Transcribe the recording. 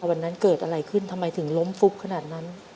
วันนั้นเกิดอะไรขึ้นทำไมถึงล้มฟุบขนาดนั้น